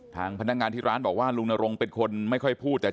จังหวะนั้นได้ยินเสียงปืนรัวขึ้นหลายนัดเลย